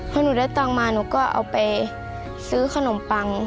พอหนูได้ตังค์มาหนูก็เอาไปซื้อขนมปัง